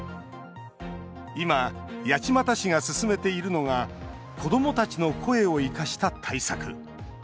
今、八街市が進めているのが子どもたちの声を生かした対策。